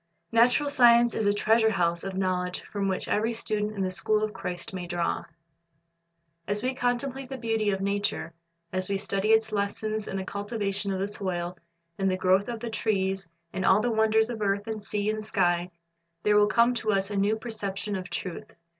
Natural science is a treasure house of knowledge from which every student in the school of Christ may draw. 126 Christ's Object Lessons As we contemplate the beauty oi nature, as we study its lessons in the cultivation of the soil, in the growth of the trees, in all the wonders of earth and sea and sky, there will come to us a new perception of truth.